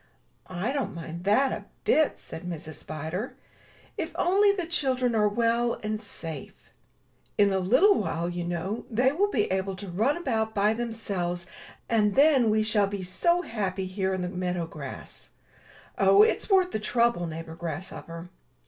''I don't mind that a bit,*' said Mrs. Spider, *'if only the children are well and safe. In a little while, you know, they will be able to run about by them selves, and then we shall be so happy here in the meadow grass. Oh, it's worth the trouble, neighbor Grasshopper."